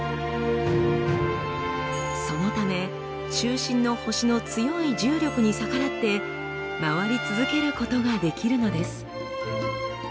そのため中心の星の強い重力に逆らって回り続けることができるのです。